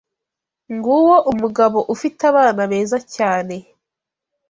Nguwo umugabo ufite abana beza cyane.